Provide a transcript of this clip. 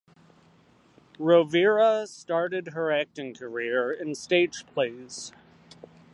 Rovira started her acting career in stage plays.